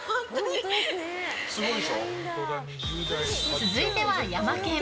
続いてはヤマケン。